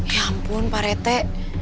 ya ampun pak rete